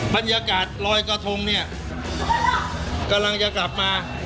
บรรยากาศลอยกระทงเนี่ยกำลังจะกลับมา